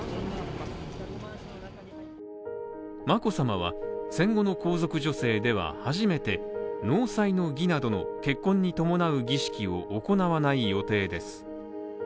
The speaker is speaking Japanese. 眞子さまは、戦後の皇族女性では初めて納采の儀などの結婚に伴う儀式を行わない予定です。